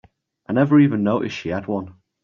I never even noticed she had one.